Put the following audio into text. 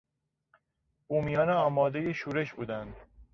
بومیان آمادهی شورش بودند.